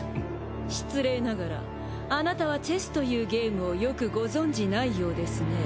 失礼ながらあなたはチェスというゲームをよくご存じないようですね。